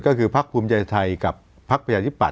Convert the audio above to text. ก็คือภักดิ์ภูมิใจไทยกับภักดิ์วิทยาลัยปั๊ด